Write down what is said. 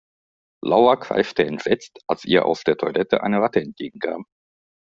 Laura kreischte entsetzt, als ihr aus der Toilette eine Ratte entgegenkam.